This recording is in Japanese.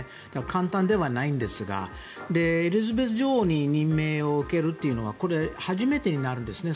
簡単ではないんですがエリザベス女王に任命を受けるというのはこれ、初めてになるんですね。